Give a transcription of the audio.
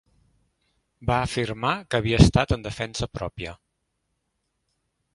Va afirmar que havia estat en defensa pròpia.